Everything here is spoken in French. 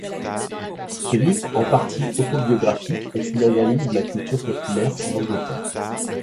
Ce livre, en partie autobiographique, est une analyse de la culture populaire en Angleterre.